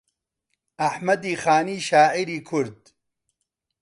ئەحمەدی خانی شاعیری کورد